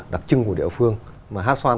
đặc trưng của địa phương mà hát xoan